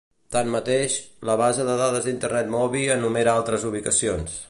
Tanmateix, la base de dades d'Internet Movie enumera altres ubicacions.